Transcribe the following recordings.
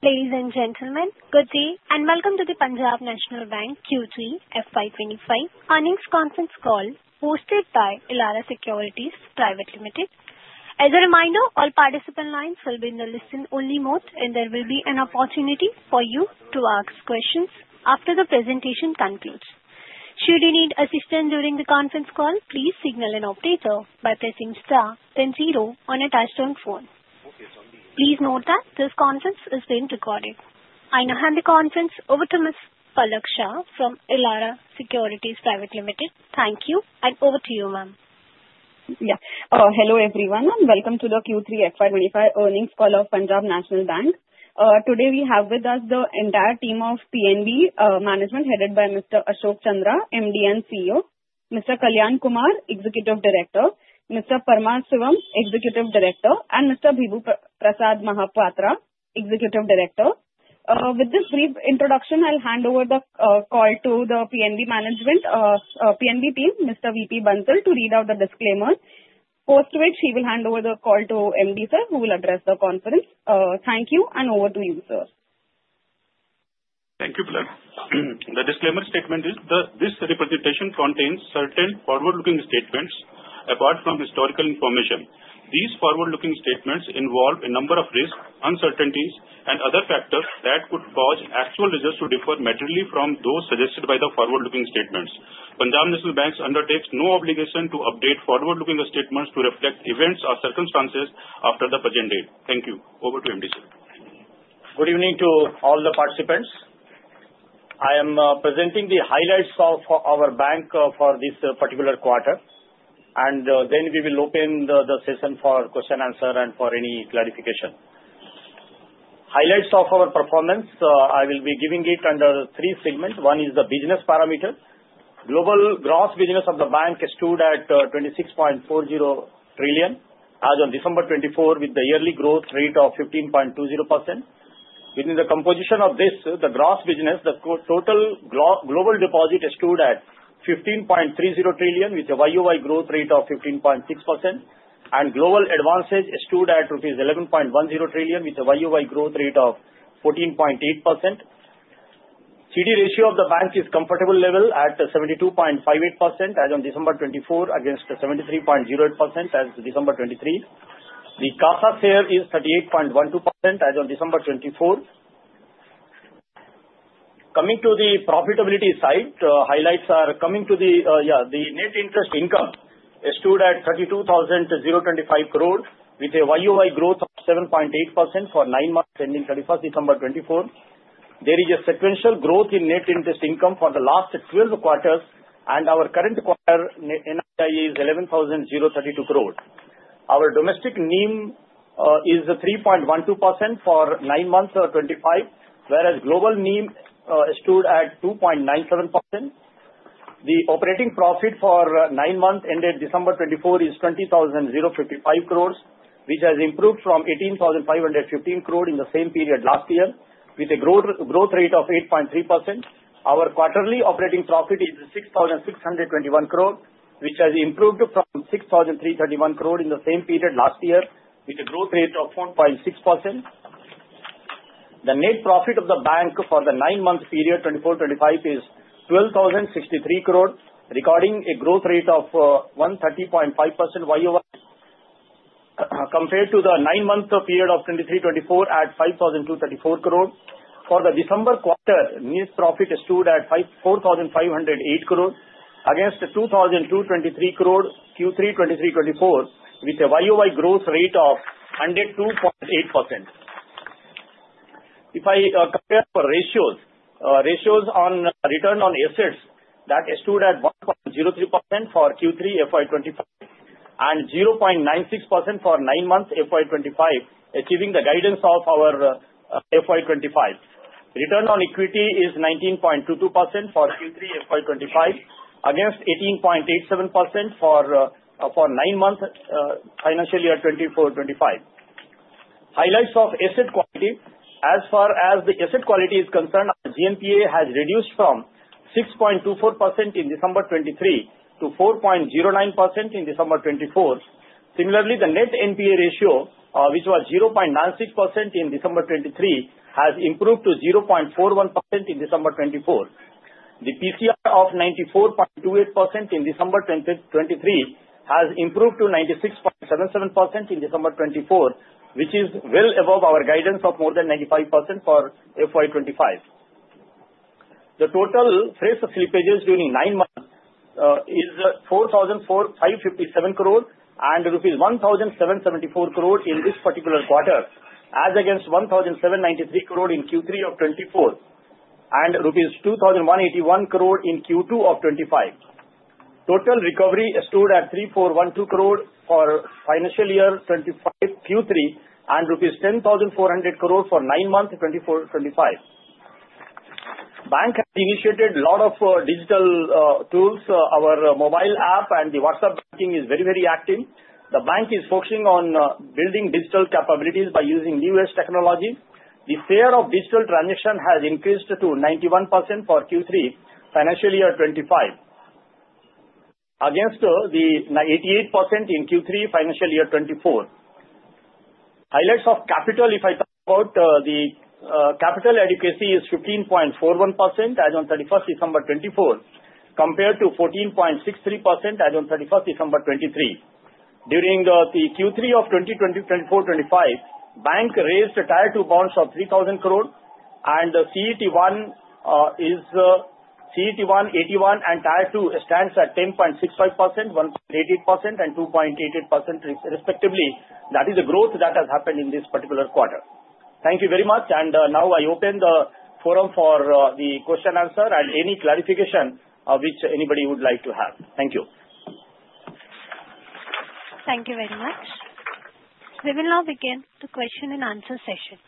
Ladies and gentlemen, good day and welcome to the Punjab National Bank Q3 FY25 earnings conference call hosted by Elara Securities Pvt Ltd As a reminder, all participant lines will be in the listen-only mode, and there will be an opportunity for you to ask questions after the presentation concludes. Should you need assistance during the conference call, please signal an operator by pressing star then zero on a touch-tone phone. Please note that this conference is being recorded. I now hand the conference over to Ms. Palak Shah from Elara Securities Pvt Ltd Thank you, and over to you, ma'am. Yeah. Hello everyone, and welcome to the Q3 FY25 earnings call of Punjab National Bank. Today we have with us the entire team of PNB, management headed by Mr. Ashok Chandra, MD and CEO; Mr. Kalyan Kumar, Executive Director; Mr. Paramasivam, Executive Director; and Mr. Bibhu Prasad Mahapatra, Executive Director. With this brief introduction, I'll hand over the call to the PNB management, PNB team, Mr. V. P. Bansal, to read out the disclaimer, post which he will hand over the call to MD sir, who will address the conference. Thank you, and over to you, sir. Thank you, Palak Shah. The disclaimer statement is that this representation contains certain forward-looking statements apart from historical information. These forward-looking statements involve a number of risks, uncertainties, and other factors that could cause actual results to differ materially from those suggested by the forward-looking statements. Punjab National Bank undertakes no obligation to update forward-looking statements to reflect events or circumstances after the present date. Thank you. Over to MD sir. Good evening to all the participants. I am presenting the highlights of our bank for this particular quarter, and then we will open the session for question and answer and for any clarification. Highlights of our performance, I will be giving it under three segments. One is the business parameters. Global gross business of the bank is stood at 26.40 trillion as of December 2024, with the yearly growth rate of 15.20%. Within the composition of this, the gross business, the total global deposit is stood at 15.30 trillion, with a YOY growth rate of 15.6%, and global advances is stood at 11.10 trillion, with a YOY growth rate of 14.8%. CD ratio of the bank is comfortable level at 72.58% as of December 2024, against 73.08% as of December 2023. The CASA share is 38.12% as of December 2024. Coming to the profitability side, highlights are coming to the, yeah, the net interest income is stood at 32,025 crore, with a YOY growth of 7.8% for nine months ending 31st December 2024. There is a sequential growth in net interest income for the last 12 quarters, and our current quarter net NII is 11,032 crore. Our domestic NIM is 3.12% for nine months of '25, whereas global NIM is stood at 2.97%. The operating profit for nine months ended December 2024 is 20,055 crore, which has improved from 18,515 crore in the same period last year, with a growth rate of 8.3%. Our quarterly operating profit is 6,621 crore, which has improved from 6,331 crore in the same period last year, with a growth rate of 4.6%. The net profit of the bank for the nine-month period 2024-2025 is 12,063 crore, recording a growth rate of 130.5% YOY, compared to the nine-month period of 2023-2024 at 5,234 crore. For the December quarter, net profit is stood at 5,408 crore, against 2,223 crore Q3 2023-2024, with a YOY growth rate of 102.8%. If I compare for ratios on return on assets that is stood at 1.03% for Q3 FY25 and 0.96% for nine-month FY25, achieving the guidance of our FY25. Return on equity is 19.22% for Q3 FY25, against 18.87% for nine-month financial year 2024-2025. Highlights of asset quality: as far as the asset quality is concerned, GNPA has reduced from 6.24% in December 2023 to 4.09% in December 2024. Similarly, the net NPA ratio, which was 0.96% in December 2023, has improved to 0.41% in December 2024. The PCR of 94.28% in December 2023 has improved to 96.77% in December 2024, which is well above our guidance of more than 95% for FY25. The total fresh slippages during nine months is 4,457 crore and rupees 1,774 crore in this particular quarter, as against 1,793 crore in Q3 of 2024 and rupees 2,181 crore in Q2 of 2025. Total recovery is stood at 3,412 crore for financial year 2025 Q3 and rupees 10,400 crore for nine months 2024-2025. Bank has initiated a lot of digital tools. Our mobile app and the WhatsApp Banking is very, very active. The bank is focusing on building digital capabilities by using newest technology. The share of digital transaction has increased to 91% for Q3 financial year 2025, against the 88% in Q3 financial year 2024. Highlights of capital: if I talk about the capital adequacy is 15.41% as of 31st December 2024, compared to 14.63% as of 31st December 2023. During the Q3 of 2024-2025, bank raised Tier II bonds of 3,000 crore, and the CET1 is 11.81% and Tier II stands at 10.65%, 1.88%, and 2.88% respectively. That is the growth that has happened in this particular quarter. Thank you very much, and now I open the forum for the question and answer and any clarification which anybody would like to have. Thank you. Thank you very much. We will now begin the question and answer session.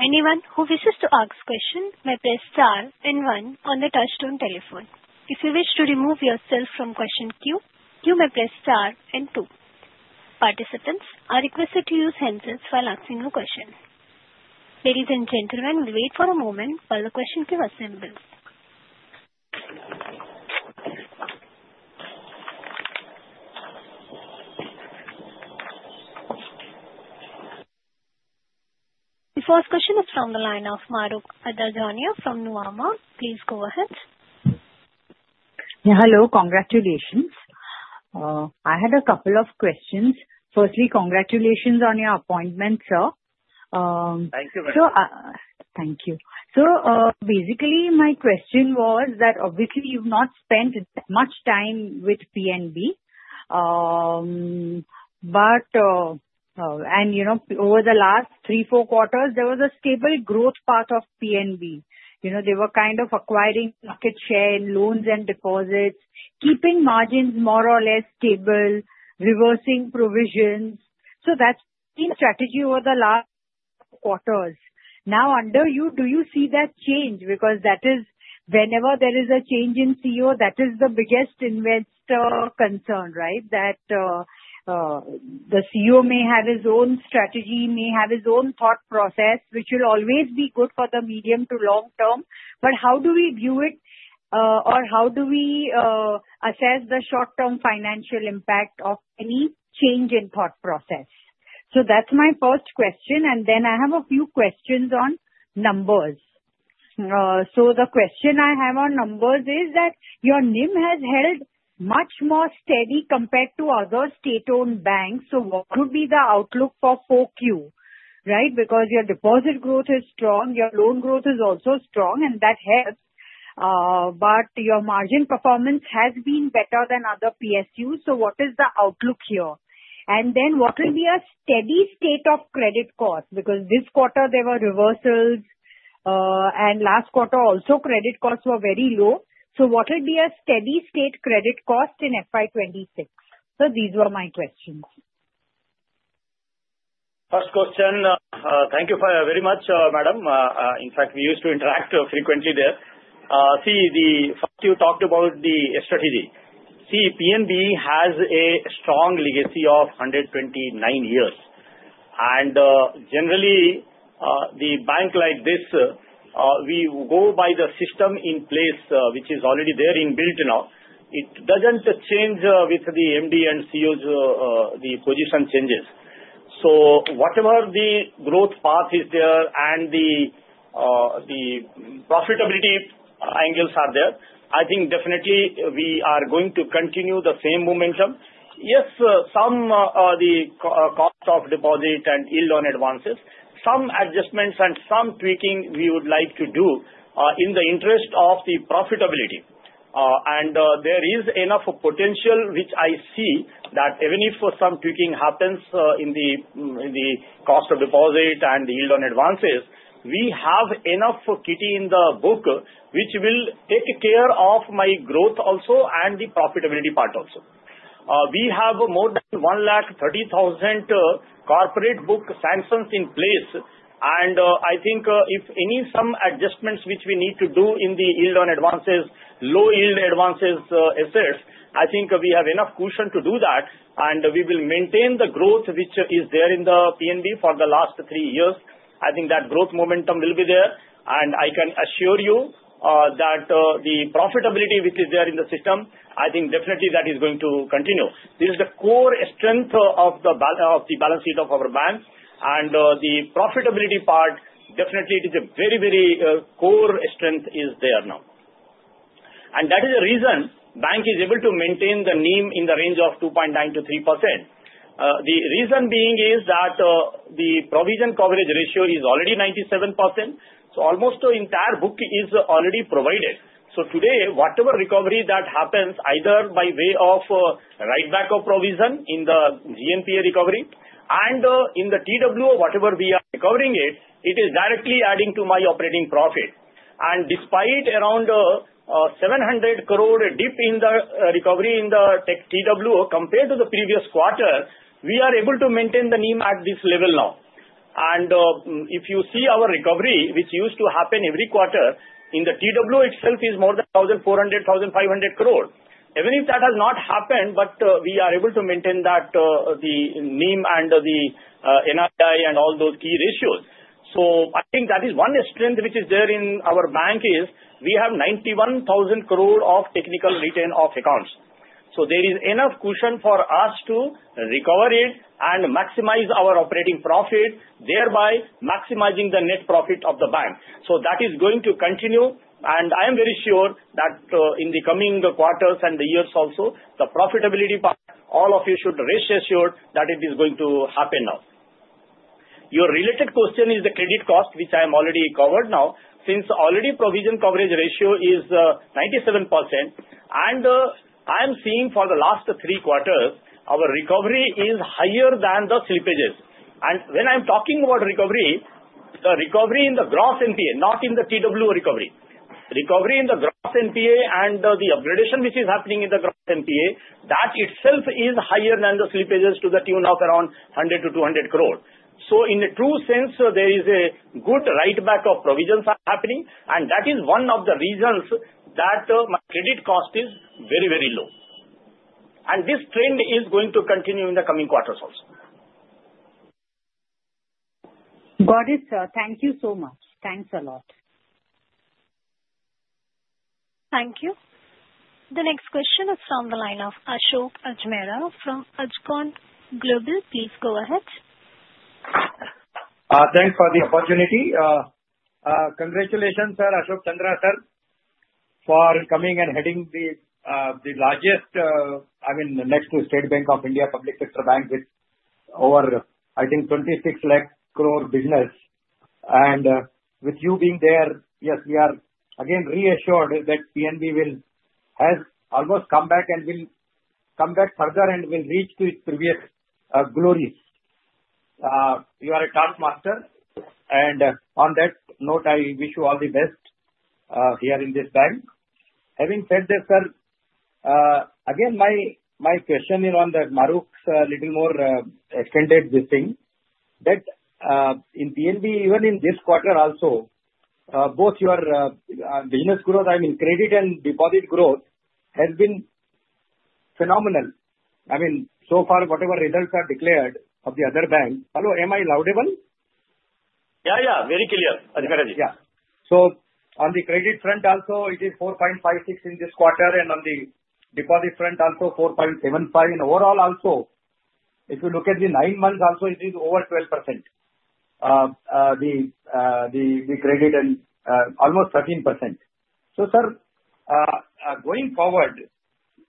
Anyone who wishes to ask question may press star and one on the touch-tone telephone. If you wish to remove yourself from question queue, you may press star and two. Participants, I request that you use handsets while asking your question. Ladies and gentlemen, we'll wait for a moment while the question queue assembles. The first question is from the line of Mahrukh Adajania from Nuvama. Please go ahead. Yeah, hello. Congratulations. I had a couple of questions. Firstly, congratulations on your appointment, sir. Thank you very much. So, thank you. So, basically, my question was that obviously you've not spent much time with PNB, but you know, over the last three, four quarters, there was a stable growth path of PNB. You know, they were kind of acquiring market share, loans, and deposits, keeping margins more or less stable, reversing provisions. So that's been strategy over the last quarters. Now, under you, do you see that change? Because that is, whenever there is a change in CEO, that is the biggest investor concern, right? That, the CEO may have his own strategy, may have his own thought process, which will always be good for the medium to long term. But how do we view it, or how do we, assess the short-term financial impact of any change in thought process? So that's my first question, and then I have a few questions on numbers. So the question I have on numbers is that your NIM has held much more steady compared to other state-owned banks. So what would be the outlook for FOQ, right? Because your deposit growth is strong, your loan growth is also strong, and that helps, but your margin performance has been better than other PSUs. So what is the outlook here? And then what will be a steady state of credit cost? Because this quarter there were reversals, and last quarter also credit costs were very low. So what will be a steady state credit cost in FY26? So these were my questions. First question, thank you very much, madam. In fact, we used to interact frequently there. See, the first you talked about the strategy. See, PNB has a strong legacy of 129 years, and, generally, the bank like this, we go by the system in place, which is already there in-built now. It doesn't change, with the MD and CEOs, the position changes. So whatever the growth path is there and the profitability angles are there, I think definitely we are going to continue the same momentum. Yes, some, the cost of deposit and yield on advances, some adjustments and some tweaking we would like to do, in the interest of the profitability. And, there is enough potential, which I see, that even if some tweaking happens, in the cost of deposit and the yield on advances, we have enough kitty in the book, which will take care of my growth also and the profitability part also. We have more than 130,000 corporate book sanctions in place, and, I think, if any some adjustments which we need to do in the yield on advances, low yield advances, assets, I think we have enough cushion to do that, and we will maintain the growth which is there in the PNB for the last three years. I think that growth momentum will be there, and I can assure you, that, the profitability which is there in the system, I think definitely that is going to continue. This is the core strength of the balance sheet of our bank, and the profitability part, definitely it is a very, very core strength is there now. That is the reason bank is able to maintain the NIM in the range of 2.9%-3%. The reason being is that the provision coverage ratio is already 97%, so almost the entire book is already provided. So today, whatever recovery that happens, either by way of write back of provision in the GNPA recovery and in the TWO, whatever we are recovering it, it is directly adding to my operating profit. And despite around 700 crore dip in the recovery in the TWO compared to the previous quarter, we are able to maintain the NIM at this level now. And, if you see our recovery, which used to happen every quarter, in the TWO itself is more than 1,400-1,500 crore. Even if that has not happened, but we are able to maintain that, the NIM and the NII and all those key ratios. So I think that is one strength which is there in our bank is we have 91,000 crore of technical write-off of accounts. So there is enough cushion for us to recover it and maximize our operating profit, thereby maximizing the net profit of the bank. So that is going to continue, and I am very sure that in the coming quarters and the years also, the profitability part, all of you should rest assured that it is going to happen now. Your related question is the credit cost, which I have already covered now, since already provision coverage ratio is 97%, and I am seeing for the last three quarters, our recovery is higher than the slippages. And when I'm talking about recovery, the recovery in the gross NPA, not in the TWO recovery. Recovery in the gross NPA and the upgradation which is happening in the gross NPA, that itself is higher than the slippages to the tune of around 100 to 200 crore. So in a true sense, there is a good write-back of provisions happening, and that is one of the reasons that my credit cost is very, very low. And this trend is going to continue in the coming quarters also. Got it, sir. Thank you so much. Thanks a lot. Thank you. The next question is from the line of Ashok Ajmera from Ajcon Global. Please go ahead. Thanks for the opportunity. Congratulations, sir, Ashok Chandra, sir, for coming and heading the largest, I mean, the next to State Bank of India Public Sector Bank with over, I think, 26 lakh crore business. With you being there, yes, we are again reassured that PNB will has almost come back and will come back further and will reach to its previous glories. You are a taskmaster, and on that note, I wish you all the best here in this bank. Having said this, sir, again, my question is on the Marukh's a little more extended this thing, that in PNB, even in this quarter also, both your business growth, I mean, credit and deposit growth has been phenomenal. I mean, so far, whatever results are declared of the other bank. Hello, am I loud enough? Yeah, yeah, very clear, Ajmera ji. Yeah. So on the credit front also, it is 4.56% in this quarter, and on the deposit front also, 4.75%. And overall also, if you look at the nine months also, it is over 12%, credit and almost 13%. So, sir, going forward,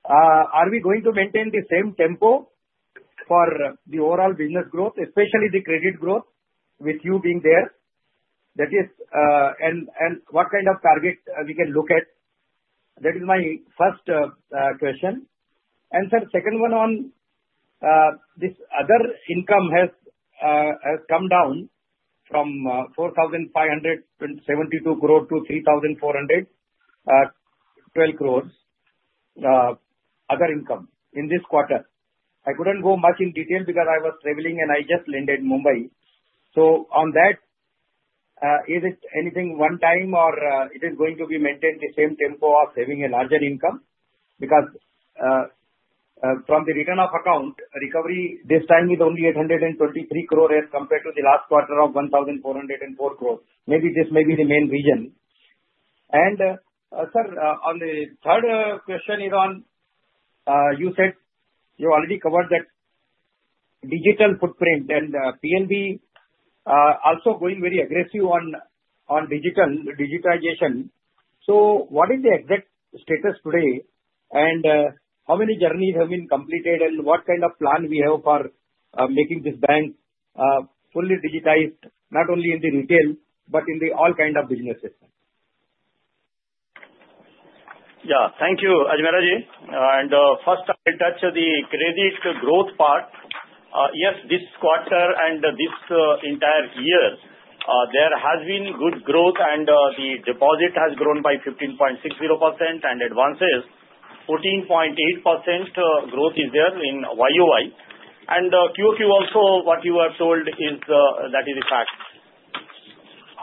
are we going to maintain the same tempo for the overall business growth, especially the credit growth with you being there? That is, what kind of target we can look at? That is my first question. And, sir, second one on this other income has come down from 4,572 crore to 3,412 crores, other income in this quarter. I could not go much in detail because I was traveling and I just landed in Mumbai. So on that, is it anything one time or it is going to be maintained the same tempo of having a larger income? Because from the written-off accounts, recovery this time is only 823 crore as compared to the last quarter of 1,404 crore. Maybe this may be the main reason. Sir, on the third question, you said you already covered that digital footprint and PNB also going very aggressive on digital digitization. So what is the exact status today and how many journeys have been completed and what kind of plan we have for making this bank fully digitized, not only in the retail but in all kinds of businesses? Yeah, thank you, Ajmera ji. First, I'll touch the credit growth part. Yes, this quarter and this entire year, there has been good growth and the deposit has grown by 15.60% and advances 14.8% growth is there in YoY. QoQ also, what you have told is that is a fact.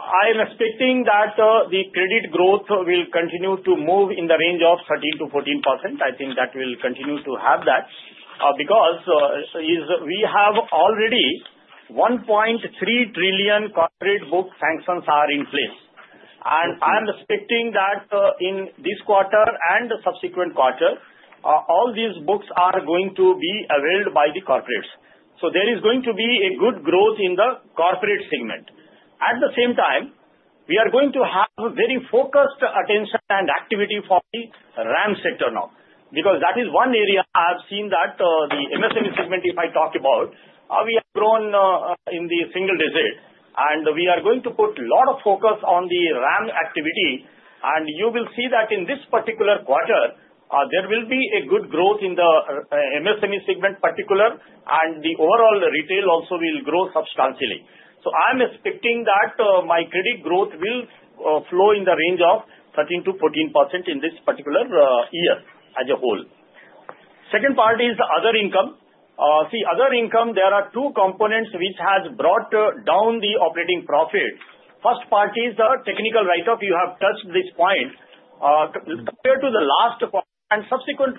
I am expecting that the credit growth will continue to move in the range of 13%-14%. I think that will continue to have that, because we have already 1.3 trillion corporate book sanctions in place. And I am expecting that, in this quarter and subsequent quarter, all these books are going to be availed by the corporates. So there is going to be a good growth in the corporate segment. At the same time, we are going to have very focused attention and activity for the RAM sector now because that is one area I've seen that, the MSME segment, if I talk about, we have grown, in the single digit, and we are going to put a lot of focus on the RAM activity. And you will see that in this particular quarter, there will be a good growth in the MSME segment in particular, and the overall retail also will grow substantially. So I'm expecting that my credit growth will grow in the range of 13%-14% in this particular year as a whole. Second part is the other income. See, other income, there are two components which have brought down the operating profit. First part is the Technical Write-Off. You have touched this point, compared to the last quarter and subsequent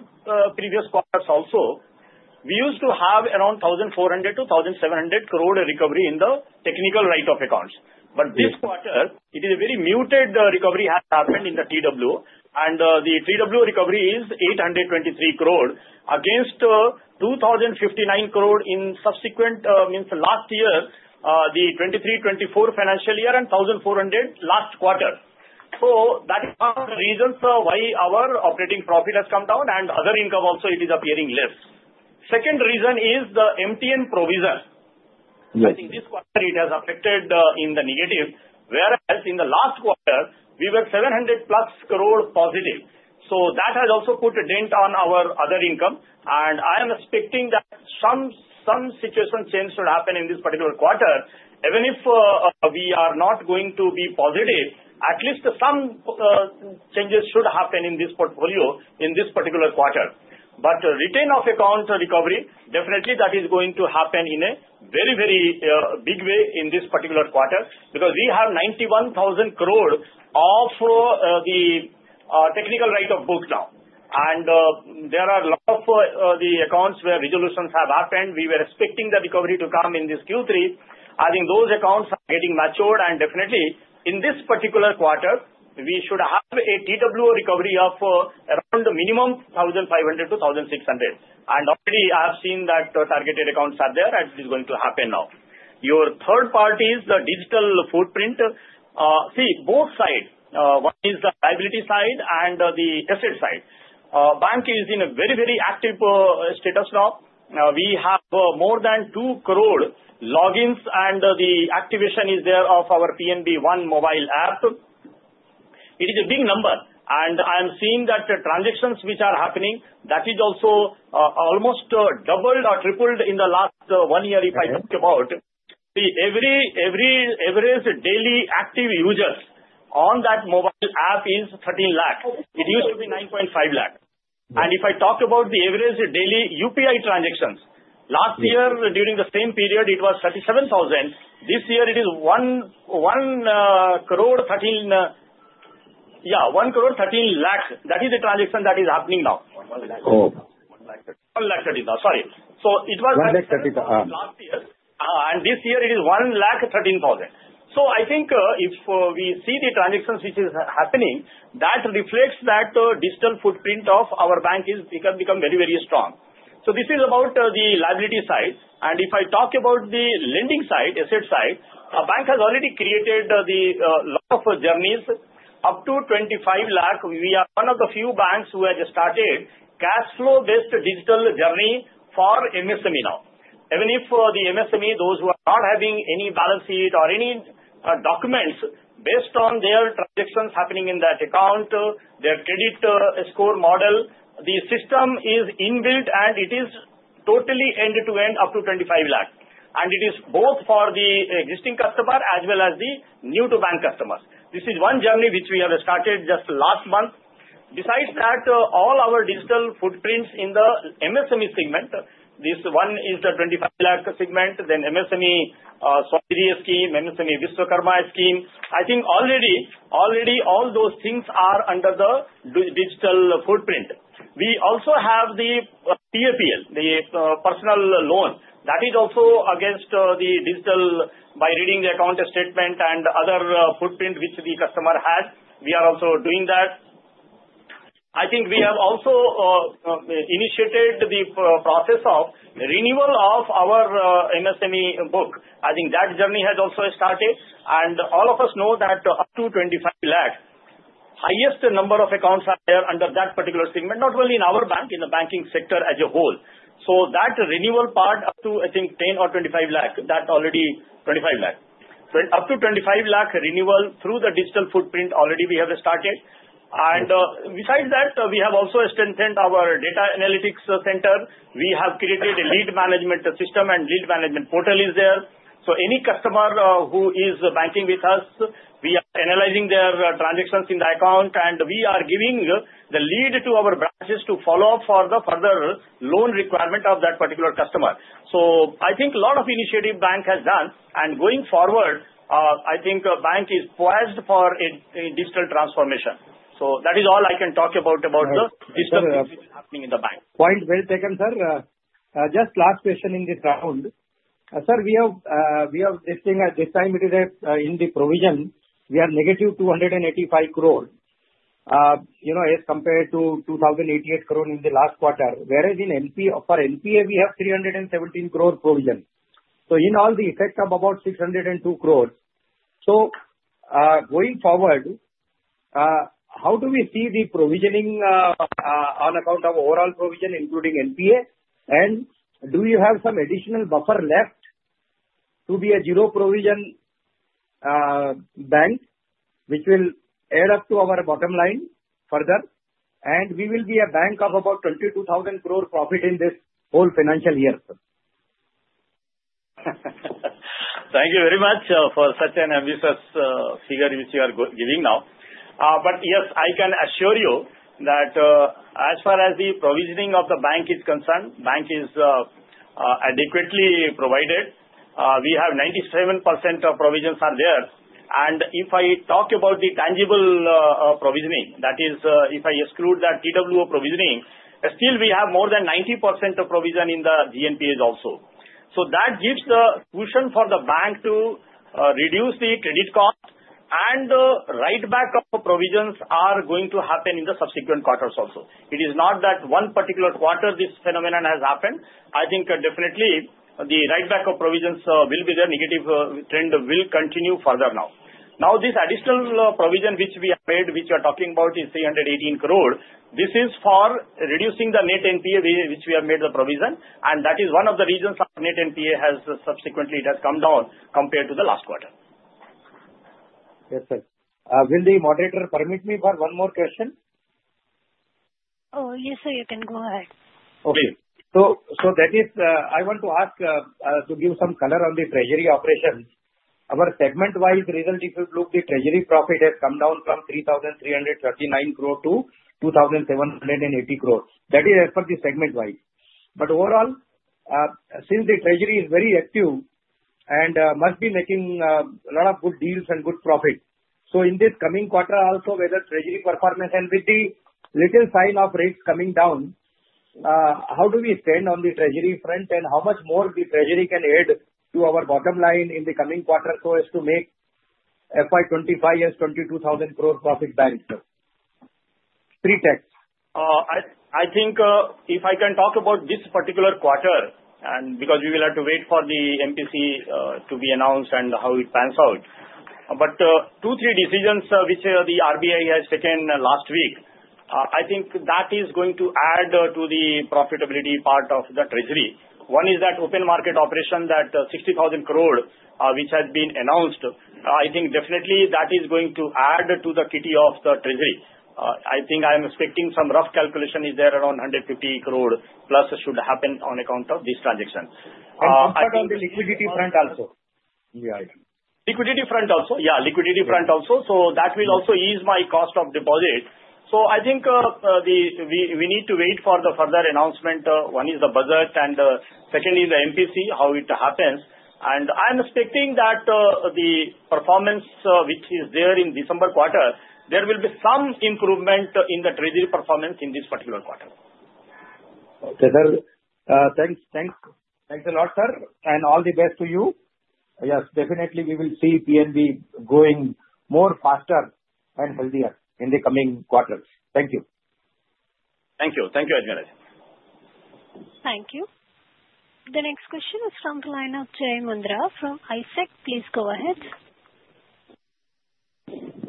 previous quarters also, we used to have around 1,400-1,700 crore recovery in the Technical Write-Off accounts. But this quarter, it is a very muted recovery has happened in the TWO, and the TWO recovery is 823 crore against 2,059 crore in subsequent, means last year, the 2023-2024 financial year and 1,400 last quarter. That is one of the reasons why our operating profit has come down and other income also it is appearing less. Second reason is the MTM provision. Yes. I think this quarter it has affected in the negative, whereas in the last quarter, we were 700+ crore positive. So that has also put a dent on our other income, and I am expecting that some situation change should happen in this particular quarter. Even if we are not going to be positive, at least some changes should happen in this portfolio in this particular quarter. But recovery of accounts definitely is going to happen in a very, very big way in this particular quarter because we have 91,000 crore of the technical write-off book now. And there are a lot of the accounts where resolutions have happened. We were expecting the recovery to come in this Q3. I think those accounts are getting matured, and definitely in this particular quarter, we should have a TWO recovery of around minimum 1,500-1,600. And already I have seen that targeted accounts are there, and it is going to happen now. Your third part is the digital footprint. See, both sides, one is the liability side and the asset side. Bank is in a very, very active status now. We have more than 2 crore logins and the activation is there of our PNB One mobile app. It is a big number, and I am seeing that transactions which are happening, that is also almost doubled or tripled in the last one year if I talk about. See, every average daily active users on that mobile app is 13 lakh. It used to be 9.5 lakh. If I talk about the average daily UPI transactions, last year during the same period, it was 37,000. This year it is 1 crore 13, yeah, 1 crore 13 lakh. That is the transaction that is happening now. 1 lakh 30, 1 lakh 30, sorry. So it was 1 lakh 30 last year, and this year it is 1 lakh 13,000. So I think if we see the transactions which is happening, that reflects that digital footprint of our bank is become, become very, very strong. So this is about the liability side. If I talk about the lending side, asset side, a bank has already created the lot of journeys up to 25 lakh. We are one of the few banks who have started cash flow-based digital journey for MSME now. Even if the MSME, those who are not having any balance sheet or any documents based on their transactions happening in that account, their credit score model, the system is inbuilt and it is totally end-to-end up to 25 lakh, and it is both for the existing customer as well as the new-to-bank customers. This is one journey which we have started just last month. Besides that, all our digital footprints in the MSME segment, this one is the 25 lakh segment, then MSME SVANidhi scheme, MSME Vishwakarma scheme. I think already, already all those things are under the digital footprint. We also have the PAPL, the personal loan. That is also against the digital by reading the account statement and other footprint which the customer has. We are also doing that. I think we have also initiated the process of renewal of our MSME book. I think that journey has also started, and all of us know that up to 25 lakh, highest number of accounts are there under that particular segment, not only in our bank, in the banking sector as a whole. So that renewal part up to, I think, 10 or 25 lakh, that already 25 lakh. So up to 25 lakh renewal through the digital footprint already we have started. And besides that, we have also strengthened our data analytics center. We have created a lead management system, and lead management portal is there. So any customer who is banking with us, we are analyzing their transactions in the account, and we are giving the lead to our branches to follow up for the further loan requirement of that particular customer. So, I think a lot of initiative bank has done, and going forward, I think bank is poised for a digital transformation. So that is all I can talk about, about the digital things happening in the bank. Point well taken, sir. Just last question in this round. Sir, we have this thing at this time, it is, in the provision, we are negative 285 crore, you know, as compared to 2,088 crore in the last quarter, whereas in NP, for NPA, we have 317 crore provision. So in all the effect of about 602 crore. So, going forward, how do we see the provisioning, on account of overall provision, including NPA? And do you have some additional buffer left to be a zero provision, bank which will add up to our bottom line further? And we will be a bank of about 22,000 crore profit in this whole financial year, sir. Thank you very much for such an ambitious figure which you are giving now. But yes, I can assure you that, as far as the provisioning of the bank is concerned, the bank is adequately provided. We have 97% of provisions are there. And if I talk about the tangible provisioning, that is, if I exclude that TWO provisioning, still we have more than 90% of provision in the GNPAs also. So that gives the solution for the bank to reduce the credit cost and the write-back of provisions are going to happen in the subsequent quarters also. It is not that one particular quarter this phenomenon has happened. I think definitely the write-back of provisions will be there. Negative trend will continue further now. Now, this additional provision which we have made, which we are talking about is 318 crore. This is for reducing the net NPA which we have made the provision, and that is one of the reasons our net NPA has subsequently come down compared to the last quarter. Yes, sir. Will the moderator permit me for one more question? Oh, yes, sir, you can go ahead. Okay. So that is, I want to ask, to give some color on the treasury operation. Our segment-wise result, if you look, the treasury profit has come down from 3,339 crore to 2,780 crore. That is as per the segment-wise. But overall, since the treasury is very active and must be making a lot of good deals and good profit. So in this coming quarter also, whether treasury performance and with the little sign of rates coming down, how do we stand on the treasury front and how much more the treasury can add to our bottom line in the coming quarter so as to make FY25 as 22,000 crore profit bank, sir? Pre-tax? I think if I can talk about this particular quarter and because we will have to wait for the MPC to be announced and how it pans out. But two, three decisions which the RBI has taken last week, I think that is going to add to the profitability part of the treasury. One is that open market operation that 60,000 crore which has been announced. I think definitely that is going to add to the kitty of the treasury. I think I am expecting some rough calculation is there around 150 crore+ should happen on account of this transaction. And what about on the liquidity front also? Yeah. Liquidity front also? Yeah, liquidity front also. So that will also ease my cost of deposit. So I think, the, we, we need to wait for the further announcement. One is the budget and, second is the MPC, how it happens. And I'm expecting that, the performance, which is there in December quarter, there will be some improvement in the treasury performance in this particular quarter. Okay, sir. Thanks, thanks, thanks a lot, sir, and all the best to you. Yes, definitely we will see PNB going more faster and healthier in the coming quarters. Thank you. Thank you. Thank you, Ajmera. Thank you. The next question is from Jai Mundhra from ISEC. Please go ahead.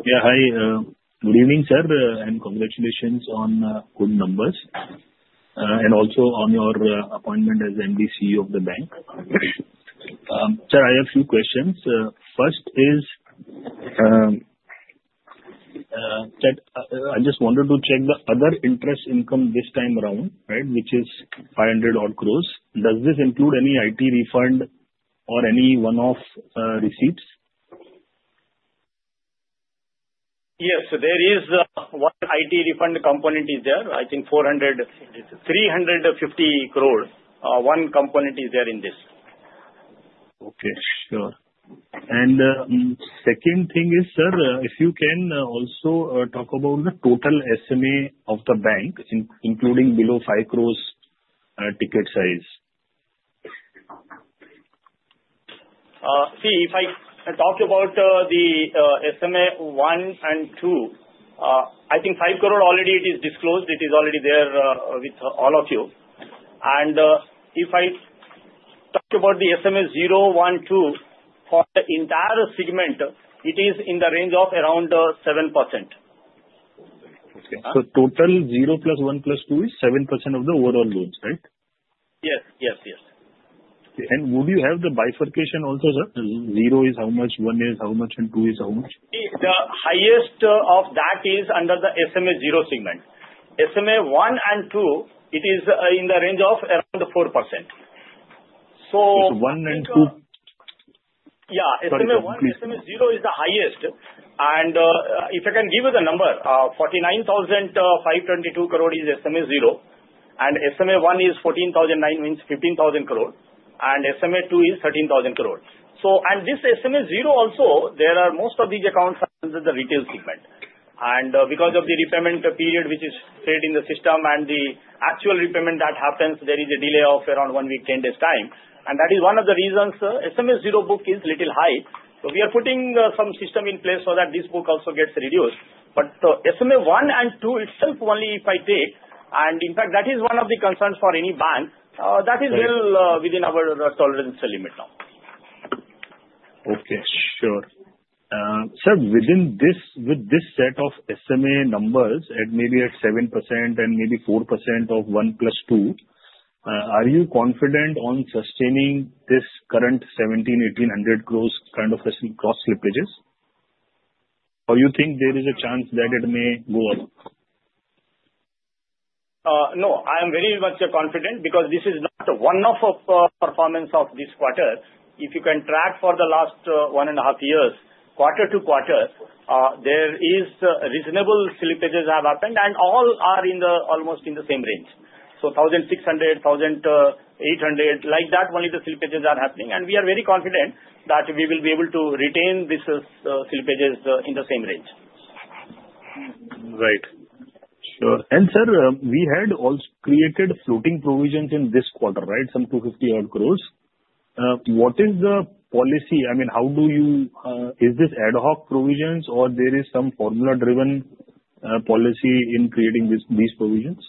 Yeah, hi, good evening, sir, and congratulations on good numbers, and also on your appointment as MD CEO of the bank. Sir, I have a few questions. First is that I just wanted to check the other interest income this time around, right, which is 500-odd crores. Does this include any IT refund or any one-off receipts? Yes, so there is one IT refund component there. I think 350-400 crore one component is there in this. Okay, sure. And second thing is, sir, if you can also talk about the total SMA of the bank, including below 5 crores ticket size. See, if I talk about the SMA one and two, I think 5 crore already it is disclosed. It is already there with all of you. And if I talk about the SMA zero, one, two for the entire segment, it is in the range of around 7%. Okay. So total zero plus one plus two is 7% of the overall loans, right? Yes, yes, yes. Okay. And would you have the bifurcation also, sir? Zero is how much, one is how much, and two is how much? The highest of that is under the SMA zero segment. SMA one and two, it is in the range of around 4%. So it's one and two. Yeah, SMA one, SMA zero is the highest. And if I can give you the number, 49,522 crore is SMA zero, and SMA one is 14,900, means 15,000 crore, and SMA two is 13,000 crore. So, and this SMA zero also, there are most of these accounts under the retail segment. Because of the repayment period which is set in the system and the actual repayment that happens, there is a delay of around one week, 10 days' time. That is one of the reasons SMA zero book is a little high. We are putting some system in place so that this book also gets reduced. But the SMA one and two itself, only if I take, and in fact, that is one of the concerns for any bank, that is well within our tolerance limit now. Okay, sure. Sir, within this, with this set of SMA numbers at maybe 7% and maybe 4% of one plus two, are you confident on sustaining this current 1,700-1,800 crores kind of gross slippages? Or you think there is a chance that it may go up? No, I am very much confident because this is not one-off of performance of this quarter. If you can track for the last one and a half years, quarter to quarter, there is reasonable slippages have happened and all are in the almost in the same range. So 1,600, 1,800, like that, only the slippages are happening. And we are very confident that we will be able to retain this slippages in the same range. Right. Sure. And sir, we had also created floating provisions in this quarter, right? Some 250 odd crores. What is the policy? I mean, how do you, is this ad hoc provisions or there is some formula-driven policy in creating this, these provisions?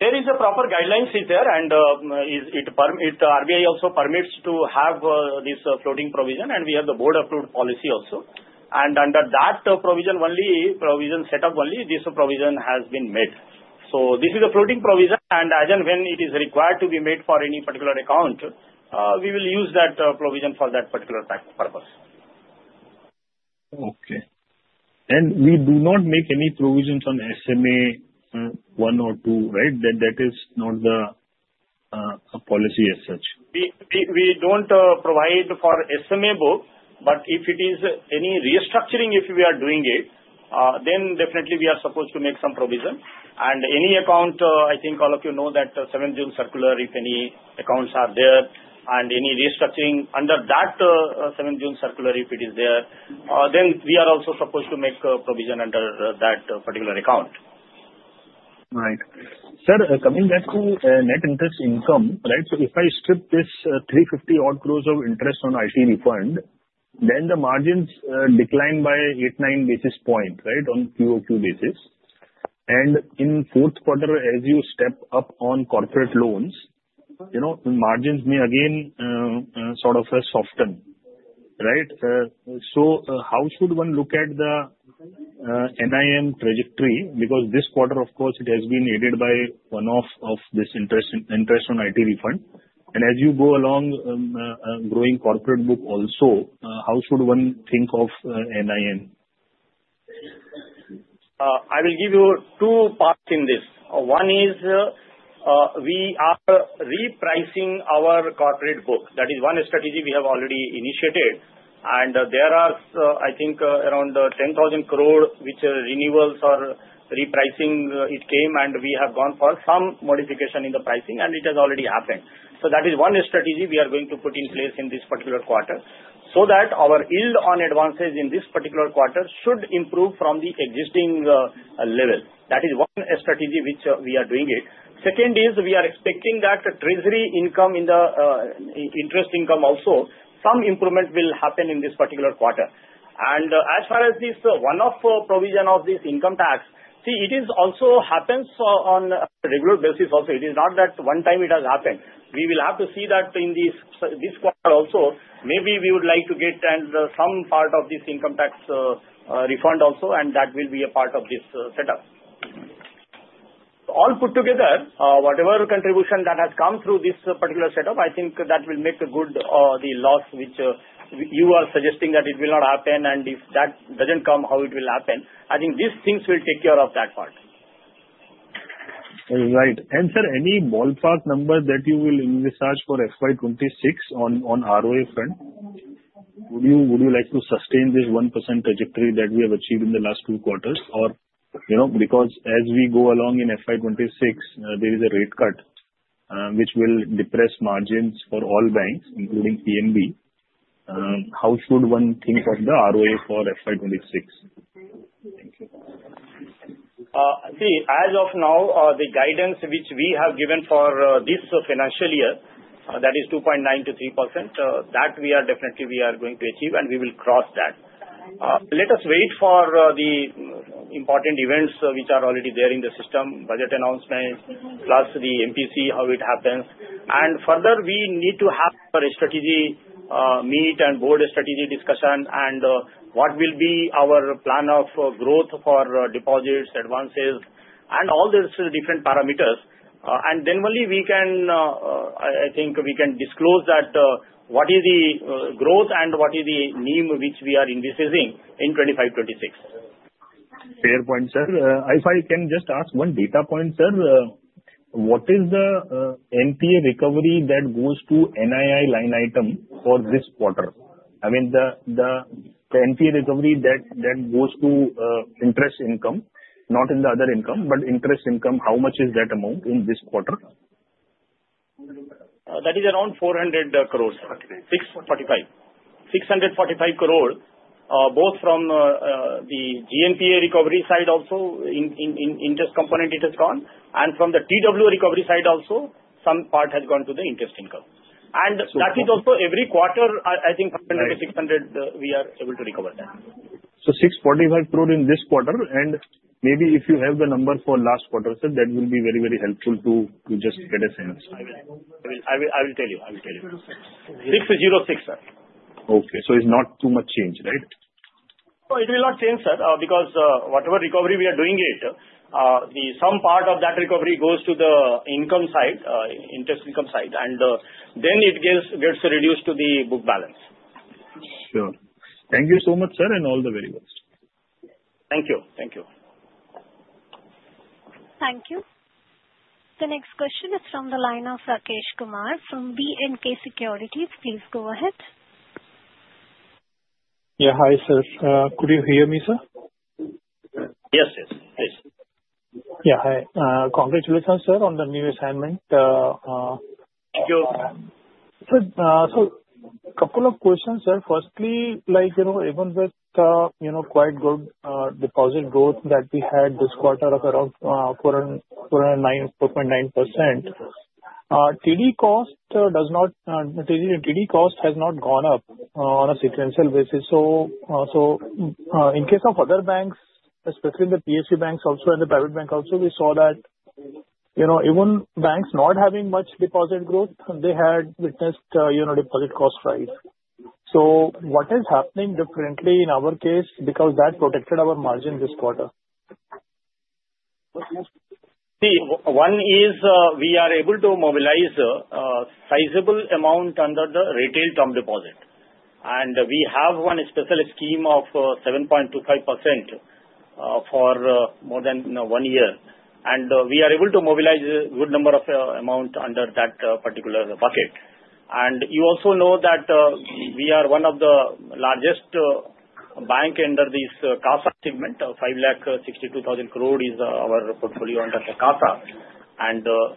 There is a proper guidelines is there and RBI also permits to have this floating provision and we have the board-approved policy also. And under that provision, only provision set up, only this provision has been made. So this is a floating provision and as and when it is required to be made for any particular account, we will use that provision for that particular type of purpose. Okay. And we do not make any provisions on SMA one or two, right? That is not the policy as such. We don't provide for SMA book, but if it is any restructuring, if we are doing it, then definitely we are supposed to make some provision. And any account, I think all of you know that 7 June circular, if any accounts are there and any restructuring under that 7 June circular, if it is there, then we are also supposed to make a provision under that particular account. Right. Sir, coming back to net interest income, right? So if I strip this 350 crore of interest on IT refund, then the margins decline by 89 basis points, right, on QOQ basis. And in fourth quarter, as you step up on corporate loans, you know, margins may again, sort of soften, right? So, how should one look at the NIM trajectory? Because this quarter, of course, it has been aided by one-off of this interest, interest on IT refund. And as you go along, growing corporate book also, how should one think of NIM? I will give you two parts in this. One is, we are repricing our corporate book. That is one strategy we have already initiated. And there are, I think, around 10,000 crore which renewals or repricing it came, and we have gone for some modification in the pricing, and it has already happened. That is one strategy we are going to put in place in this particular quarter so that our yield on advances in this particular quarter should improve from the existing level. That is one strategy which we are doing it. Second is we are expecting that treasury income in the interest income also, some improvement will happen in this particular quarter. And as far as this one-off provision of this income tax, see, it is also happens on a regular basis also. It is not that one time it has happened. We will have to see that in this quarter also. Maybe we would like to get and some part of this income tax refund also, and that will be a part of this setup. All put together, whatever contribution that has come through this particular setup, I think that will make a good, the loss which you are suggesting that it will not happen. And if that doesn't come, how it will happen? I think these things will take care of that part. Right. And sir, any ballpark number that you will research for FY26 on ROA front? Would you like to sustain this 1% trajectory that we have achieved in the last two quarters? Or, you know, because as we go along in FY26, there is a rate cut, which will depress margins for all banks, including PNB. How should one think of the ROA for FY26? See, as of now, the guidance which we have given for this financial year, that is 2.9%-3%, that we are definitely going to achieve and we will cross that. Let us wait for the important events which are already there in the system: budget announcement, plus the MPC, how it happens. And further, we need to have a strategy meeting and board strategy discussion and what will be our plan of growth for deposits, advances, and all those different parameters. And then only we can. I think we can disclose that: what is the growth and what is the name which we are envisaging in FY26. Fair point, sir. If I can just ask one data point, sir, what is the NPA recovery that goes to NII line item for this quarter? I mean, the NPA recovery that goes to interest income, not in the other income, but interest income, how much is that amount in this quarter? That is around 400 crore, 645 crore, both from the GNPA recovery side also in interest component it has gone, and from the TWO recovery side also some part has gone to the interest income. And that is also every quarter, I think 500-600 crore, we are able to recover that. So 645 crore in this quarter, and maybe if you have the number for last quarter, sir, that will be very, very helpful to just get a sense. I will tell you. 606 crore, sir. Okay. So it's not too much change, right? It will not change, sir, because whatever recovery we are doing it, some part of that recovery goes to the income side, interest income side, and then it gets reduced to the book balance. Sure. Thank you so much, sir, and all the very best. Thank you. Thank you. Thank you. The next question is from the line of Rakesh Kumar from B&K Securities. Please go ahead. Yeah, hi sir. Could you hear me, sir? Yes, yes. Yes. Yeah, hi. Congratulations, sir, on the new assignment. Thank you. So, so a couple of questions, sir. Firstly, like, you know, even with, you know, quite good, deposit growth that we had this quarter of around 4.09, 4.9%, TD cost does not, TD, TD cost has not gone up, on a sequential basis. So, so, in case of other banks, especially the PFC banks also and the private bank also, we saw that, you know, even banks not having much deposit growth, they had witnessed, you know, deposit cost rise. So what is happening differently in our case because that protected our margin this quarter? See, one is, we are able to mobilize sizable amount under the retail term deposit. We have one special scheme of 7.25% for more than one year. We are able to mobilize a good number of amount under that particular bucket. You also know that we are one of the largest bank under this CASA segment. 562,000 crore is our portfolio under the CASA.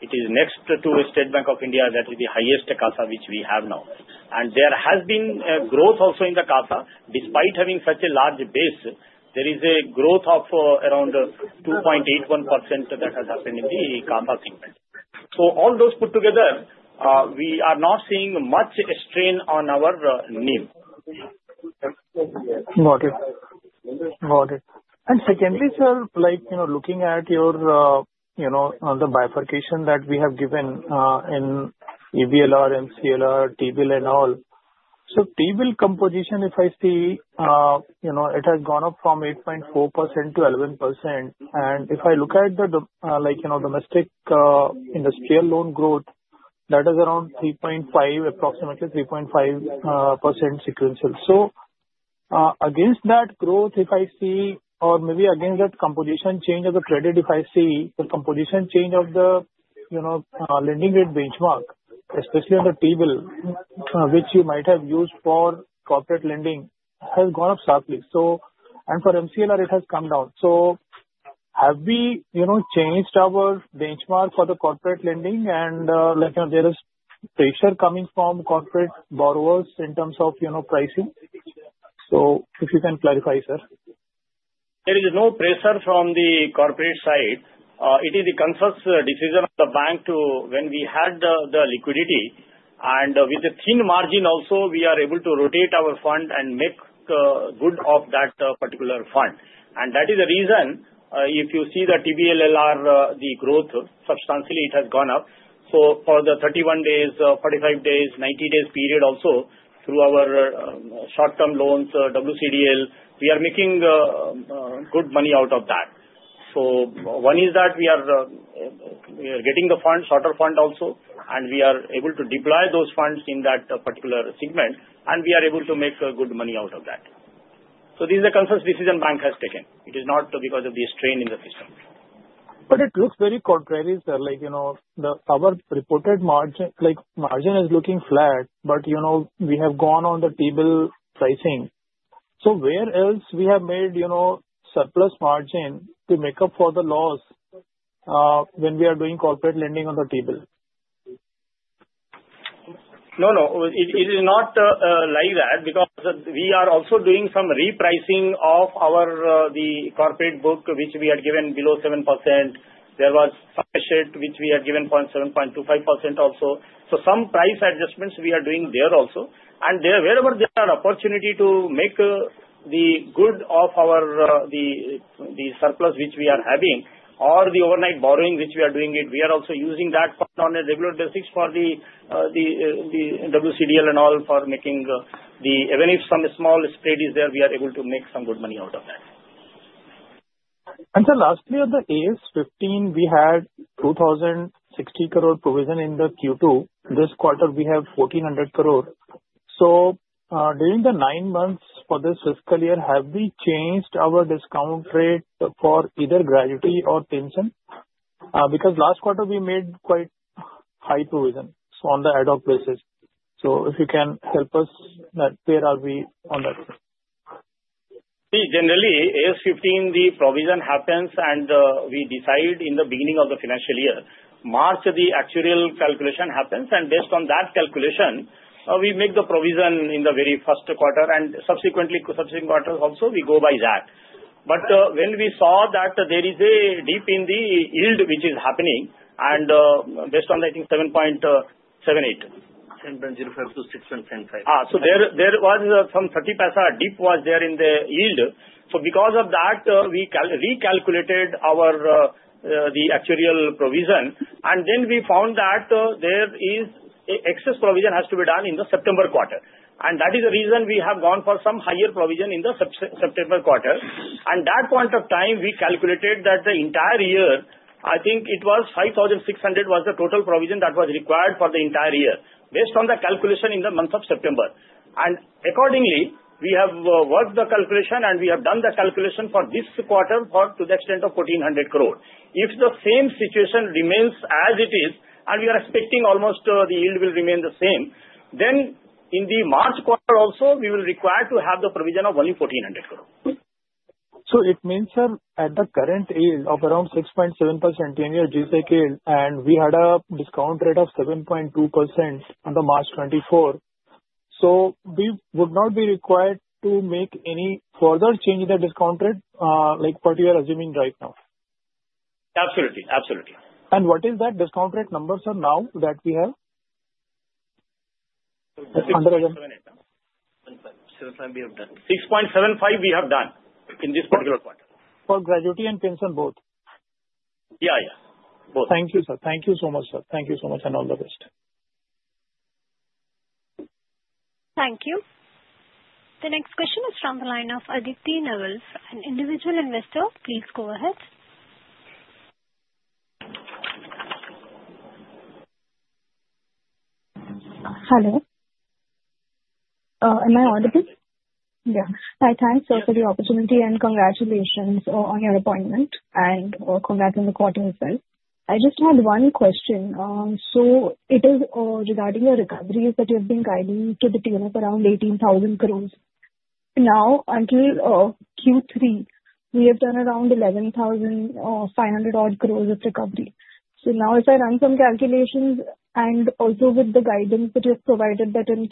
It is next to the State Bank of India, that is the highest CASA which we have now. There has been a growth also in the CASA. Despite having such a large base, there is a growth of around 2.81% that has happened in the CASA segment. All those put together, we are not seeing much strain on our NIM. Got it. Got it. Secondly, sir, like, you know, looking at your, you know, on the bifurcation that we have given, in EBLR, MCLR, T-Bill, and all. T-Bill composition, if I see, you know, it has gone up from 8.4% to 11%. If I look at the, like, you know, domestic, industrial loan growth, that is around 3.5, approximately 3.5%, sequential. Against that growth, if I see, or maybe against that composition change of the credit, if I see the composition change of the, you know, lending rate benchmark, especially on the T-Bill, which you might have used for corporate lending, has gone up sharply. And for MCLR, it has come down. Have we, you know, changed our benchmark for the corporate lending? Like, you know, there is pressure coming from corporate borrowers in terms of, you know, pricing. If you can clarify, sir. There is no pressure from the corporate side. It is the conscious decision of the bank to, when we had the liquidity, and with the thin margin also, we are able to rotate our fund and make good of that particular fund. And that is the reason, if you see the T-Bill, the growth substantially it has gone up. So for the 31 days, 45 days, 90 days period also, through our short-term loans, WCDL, we are making good money out of that. So one is that we are getting the fund, shorter fund also, and we are able to deploy those funds in that particular segment, and we are able to make good money out of that. So this is the conscious decision bank has taken. It is not because of the strain in the system. But it looks very contrary, sir. Like, you know, the our reported margin, like margin is looking flat, but, you know, we have gone on the T-Bill pricing. So where else we have made, you know, surplus margin to make up for the loss, when we are doing corporate lending on the T-Bill? No, no. It is not, like that because we are also doing some repricing of our, the corporate book which we had given below 7%. There was some shit which we had given 0.7%, 0.25% also. So some price adjustments we are doing there also. And there, wherever there are opportunity to make the good of our surplus which we are having or the overnight borrowing which we are doing it, we are also using that fund on a regular basis for the WCDL and all for making the even if some small spread is there, we are able to make some good money out of that. And sir, lastly on the AS15, we had 2,060 crore provision in the Q2. This quarter we have 1,400 crore. So, during the nine months for this fiscal year, have we changed our discount rate for either gratuity or pension? because last quarter we made quite high provision, so on the ad hoc basis. So if you can help us, that where are we on that? See, generally AS15, the provision happens and we decide in the beginning of the financial year. March, the actual calculation happens, and based on that calculation, we make the provision in the very first quarter and subsequently in subsequent quarters we also go by that. But when we saw that there is a dip in the yield which is happening and based on the, I think 7.78%, 7.05%-6.75%, so there was some 30% dip in the yield. So because of that, we recalculated our actual provision, and then we found that there is excess provision has to be done in the September quarter. And that is the reason we have gone for some higher provision in the September quarter. And that point of time, we calculated that the entire year, I think it was 5,600, was the total provision that was required for the entire year based on the calculation in the month of September. Accordingly, we have worked the calculation and we have done the calculation for this quarter for to the extent of 1,400 crore. If the same situation remains as it is and we are expecting almost the yield will remain the same, then in the March quarter also, we will require to have the provision of only 1,400 crore. It means, sir, at the current yield of around 6.7%, 10-year G-Sec yield, and we had a discount rate of 7.2% on the March 2024. We would not be required to make any further change in the discount rate, like what you are assuming right now? Absolutely. Absolutely. What is that discount rate number, sir, now that we have? 6.78. 6.75 we have done. 6.75 we have done in this particular quarter. For gratuity and pension both? Yeah, yeah. Both. Thank you, sir. Thank you so much, sir. Thank you so much and all the best. Thank you. The next question is from the line of Aditi Nawal, an individual investor. Please go ahead. Hello. Am I audible? Yeah. Hi, thanks for the opportunity and congratulations on your appointment and congratulations on the quarter as well. I just had one question, so it is regarding your recovery that you have been guiding to the target of around 18,000 crore. Now, until Q3, we have done around 11,500-odd crore of recovery. So now, if I run some calculations and also with the guidance that you have provided that in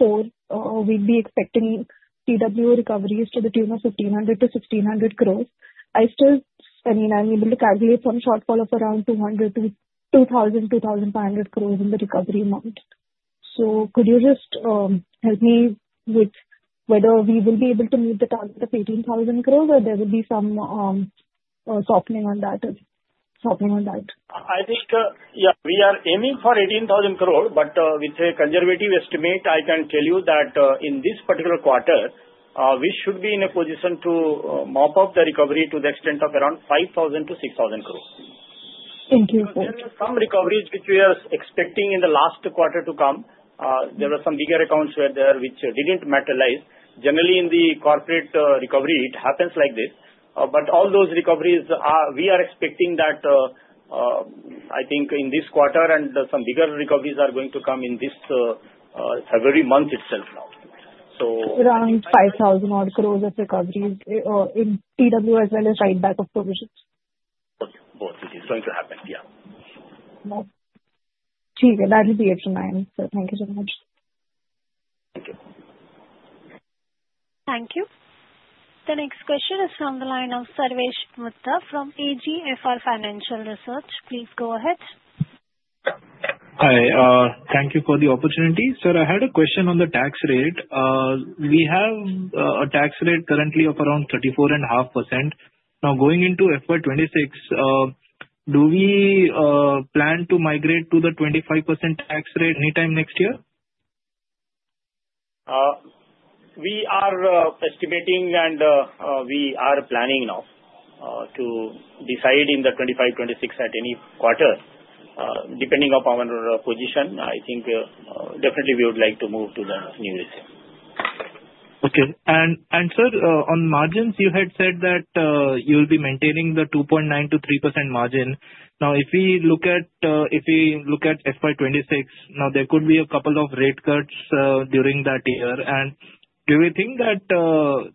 Q4, we'd be expecting TWO recoveries to the tune of 1,500-1,600 crore, I still, I mean, I'm able to calculate some shortfall of around 200 to 2,000-2,500 crore in the recovery amount. So could you just help me with whether we will be able to meet the target of 18,000 crores or there will be some softening on that? I think, yeah, we are aiming for 18,000 crore, but with a conservative estimate, I can tell you that in this particular quarter, we should be in a position to mop up the recovery to the extent of around 5,000-6,000 crores. Thank you. And then some recoveries which we are expecting in the last quarter to come. There were some bigger accounts where which didn't materialize. Generally in the corporate recovery, it happens like this. But all those recoveries, we are expecting that I think in this quarter and some bigger recoveries are going to come in this February month itself now. So around 5,000-odd crores of recoveries in TWO as well as write-back of provisions. Both, it is going to happen, yeah. Okay. That will be it from my end, sir. Thank you so much. Thank you. The next question is from the line of Sarvesh Mutha from AGFR Financial Research. Please go ahead. Hi, thank you for the opportunity. Sir, I had a question on the tax rate. We have a tax rate currently of around 34.5%. Now going into FY26, do we plan to migrate to the 25% tax rate anytime next year? We are estimating and we are planning now to decide in the 25, 26 at any quarter. Depending upon our position, I think definitely we would like to move to the new rate. Okay. And sir, on margins, you had said that you will be maintaining the 2.9%-3% margin. Now, if we look at FY26, now there could be a couple of rate cuts during that year. Do you think that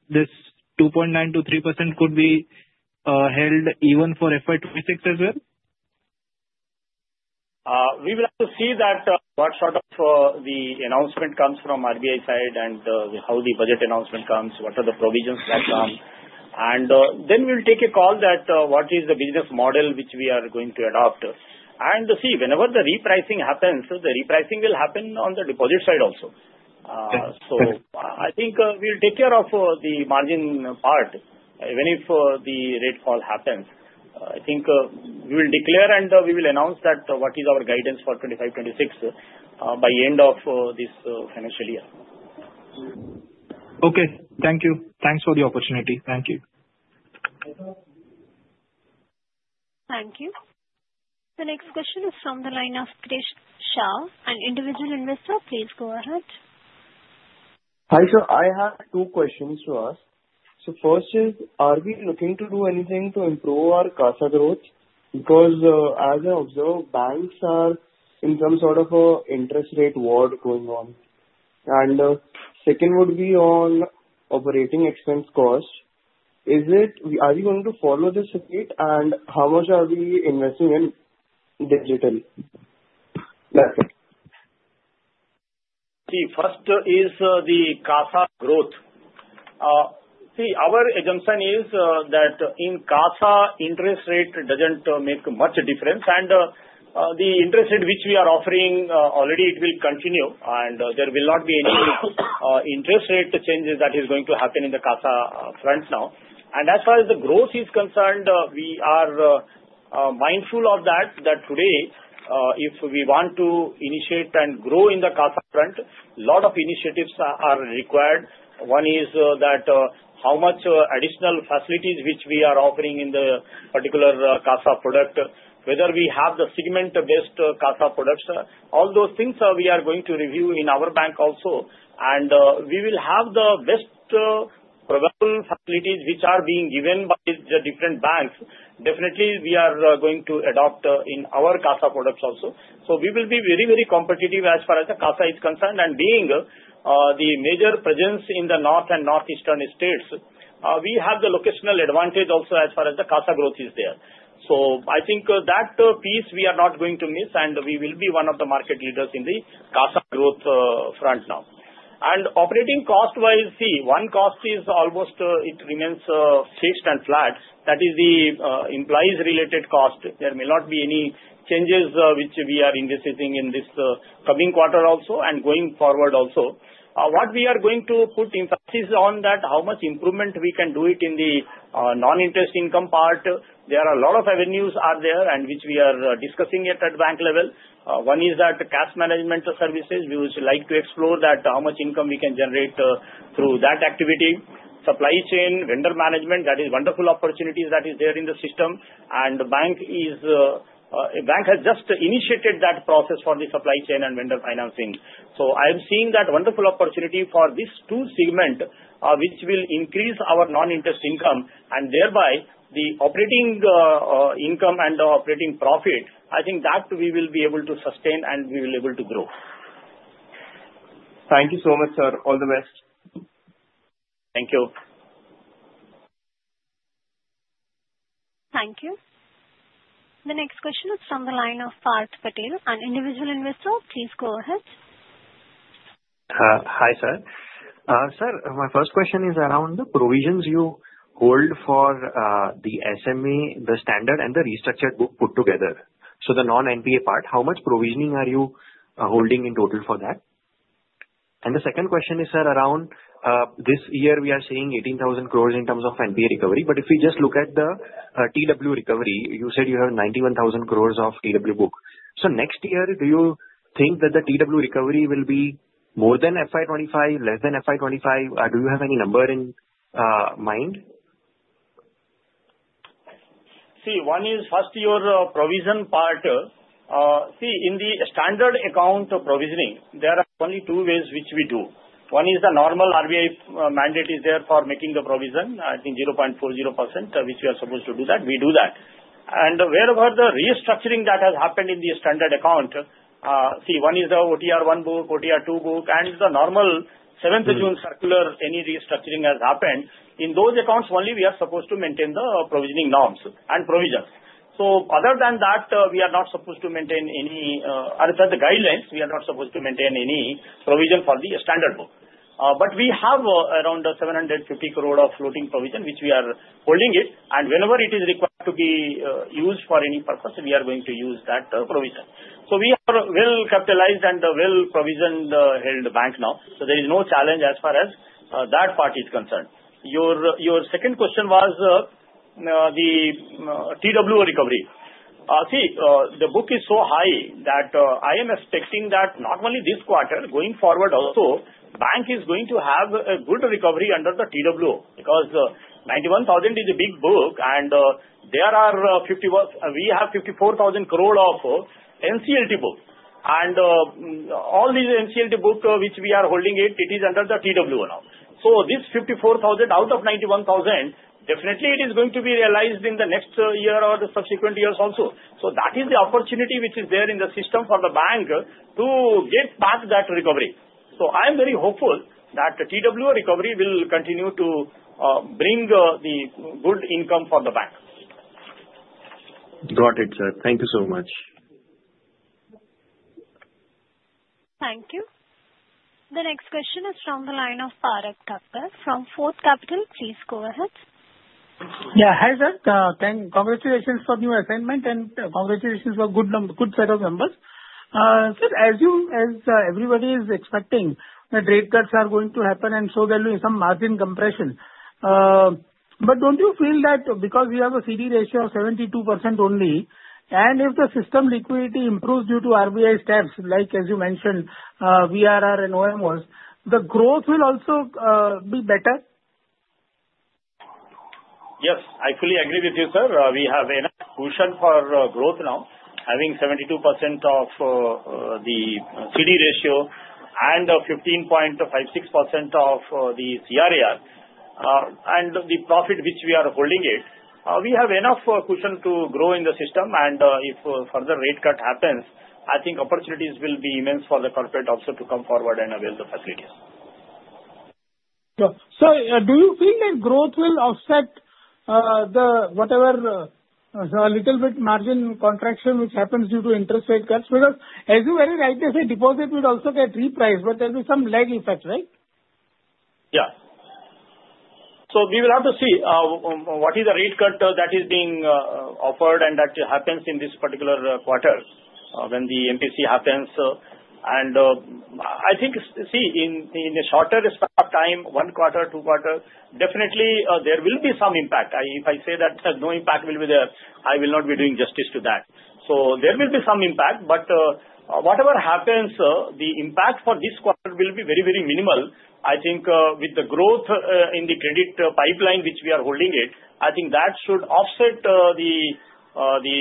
this 2.9%-3% could be held even for FY26 as well? We will have to see what sort of announcement comes from RBI side and how the budget announcement comes, what are the provisions that come. Then we'll take a call that what is the business model which we are going to adopt. See, whenever the repricing happens, the repricing will happen on the deposit side also. So I think we'll take care of the margin part even if the rate fall happens. I think we will declare and we will announce that what is our guidance for 25, 26, by end of this financial year. Okay. Thank you. Thanks for the opportunity. Thank you. Thank you. The next question is from the line of Krish Shah, an individual investor. Please go ahead. Hi sir, I have two questions to ask. So first is, are we looking to do anything to improve our CASA growth? Because, as I observe, banks are in some sort of an interest rate war going on. And second would be on operating expense cost. Is it, are we going to follow this rate and how much are we investing in digital? That's it. See, first is the CASA growth. See, our assumption is that in CASA, interest rate doesn't make much difference. And the interest rate which we are offering already it will continue and there will not be any interest rate changes that is going to happen in the CASA front now. As far as the growth is concerned, we are mindful of that today if we want to initiate and grow in the CASA front, a lot of initiatives are required. One is that how much additional facilities which we are offering in the particular CASA product, whether we have the segment-based CASA products, all those things, we are going to review in our bank also. And we will have the best probable facilities which are being given by the different banks. Definitely we are going to adopt in our CASA products also. So we will be very very competitive as far as the CASA is concerned. And being the major presence in the north and northeastern states, we have the locational advantage also as far as the CASA growth is there. So I think that piece we are not going to miss and we will be one of the market leaders in the CASA growth front now. And operating cost-wise, see, one cost is almost it remains fixed and flat. That is the employees-related cost. There may not be any changes, which we are expecting in this coming quarter also and going forward also. What we are going to put emphasis on that, how much improvement we can do it in the non-interest income part. There are a lot of avenues out there and which we are discussing at bank level. One is that cash management services we would like to explore that how much income we can generate through that activity. Supply chain, vendor management, that is wonderful opportunities that is there in the system. And the bank is, bank has just initiated that process for the supply chain and vendor financing. So I'm seeing that wonderful opportunity for these two segment, which will increase our non-interest income and thereby the operating, income and the operating profit. I think that we will be able to sustain and we will be able to grow. Thank you so much, sir. All the best. Thank you. Thank you. The next question is from the line of Parth Patel, an individual investor. Please go ahead. Hi, sir. Sir, my first question is around the provisions you hold for the SMA, the sub-standard, and the restructured book put together. So the non-NPA part, how much provisioning are you holding in total for that? The second question is, sir, around this year we are seeing 18,000 crores in terms of NPA recovery. But if we just look at the TWO recovery, you said you have 91,000 crores of TWO book. So next year, do you think that the TWO recovery will be more than FY25, less than FY25? Do you have any number in mind? See, one is first your provision part. See, in the standard account provisioning, there are only two ways which we do. One is the normal RBI mandate is there for making the provision. I think 0.40%, which we are supposed to do that. We do that. And wherever the restructuring that has happened in the standard account, see, one is the OTR1 book, OTR2 book, and the normal 7th June Circular, any restructuring has happened. In those accounts only, we are supposed to maintain the provisioning norms and provisions, so other than that, we are not supposed to maintain any, other than the guidelines, we are not supposed to maintain any provision for the standard book, but we have around 750 crore of floating provision which we are holding it, and whenever it is required to be used for any purpose, we are going to use that provision, so we are well capitalized and well provisioned healthy bank now, so there is no challenge as far as that part is concerned. Your second question was the TWO recovery. See, the book is so high that I am expecting that not only this quarter, going forward also, bank is going to have a good recovery under the TWO because 91,000 is a big book and we have 54,000 crore of NCLT book. All these NCLT book which we are holding it, it is under the TWO now. So this 54,000 out of 91,000, definitely it is going to be realized in the next year or the subsequent years also. So that is the opportunity which is there in the system for the bank to get back that recovery. So I'm very hopeful that TWO recovery will continue to bring the good income for the bank. Got it, sir. Thank you so much. Thank you. The next question is from the line of Parag Thakkar from Forth Capital. Please go ahead. Yeah, hi sir. Thank you. Congratulations for the new assignment and congratulations for good number, good set of numbers. Sir, everybody is expecting that rate cuts are going to happen and so there will be some margin compression. But don't you feel that because we have a CD ratio of 72% only, and if the system liquidity improves due to RBI steps, like as you mentioned, VRR and OMOs, the growth will also be better? Yes, I fully agree with you, sir. We have enough cushion for growth now, having 72% of the CD ratio and 15.56% of the CRAR. And the profit which we are holding it, we have enough cushion to grow in the system. And if further rate cut happens, I think opportunities will be immense for the corporate also to come forward and avail the facilities. So, sir, do you feel that growth will offset the whatever a little bit margin contraction which happens due to interest rate cuts? Because as you very rightly say, deposit would also get repriced, but there will be some lag effect, right? Yeah. So we will have to see what is the rate cut that is being offered and that happens in this particular quarter, when the MPC happens. I think in a shorter span of time, one quarter, two quarter, definitely there will be some impact. If I say that no impact will be there, I will not be doing justice to that. So there will be some impact, but whatever happens, the impact for this quarter will be very, very minimal. I think with the growth in the credit pipeline which we are holding it, I think that should offset the